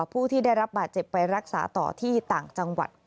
ผู้ที่ได้รับบาดเจ็บไปรักษาต่อที่ต่างจังหวัด